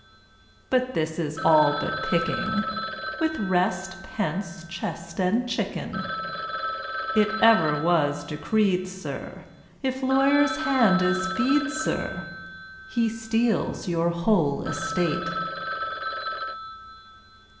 But this is all but picking, With rest, pence, chest and chicken; It ever was decreed, sir, If lawyer's hand is fee'd, sir, He steals your whole estate.